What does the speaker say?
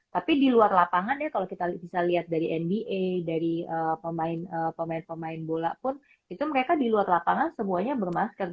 tapi di luar lapangan ya kalau kita bisa lihat dari nba dari pemain pemain bola pun itu mereka di luar lapangan semuanya bermasker